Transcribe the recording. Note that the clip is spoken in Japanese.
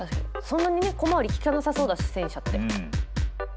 そんなにね小回り利かなさそうだし戦車って。